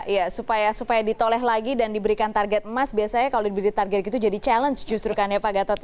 ya supaya ditoleh lagi dan diberikan target emas biasanya kalau diberi target gitu jadi challenge justru kan ya pak gatot ya